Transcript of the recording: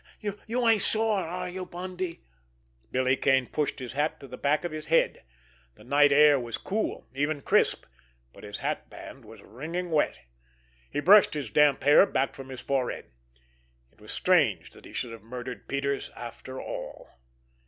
You ain't sore, are you, Bundy?" Billy Kane pushed his hat to the back of his head. The night air was cool, even crisp, but his hatband was wringing wet. He brushed his damp hair back from his forehead. It was strange that he should have murdered Peters, after all!